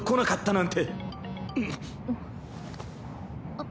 あっ！